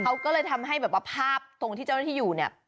เขาก็เลยทำให้แบบว่าภาพตรงที่เจ้าหน้าที่อยู่เนี่ย